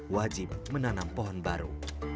wajib menanam pohon baru